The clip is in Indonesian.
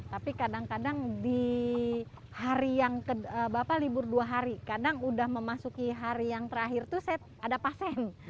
tapi kadang kadang di hari yang bapak libur dua hari kadang udah memasuki hari yang terakhir itu ada pasien